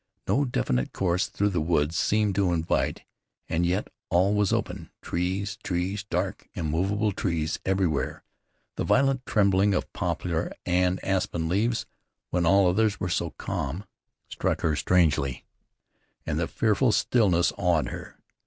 No definite course through the woods seemed to invite, and yet all was open. Trees, trees, dark, immovable trees everywhere. The violent trembling of poplar and aspen leaves, when all others were so calm, struck her strangely, and the fearful stillness awed her.